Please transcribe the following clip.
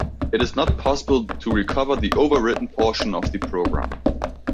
It is not possible to recover the overwritten portion of the program.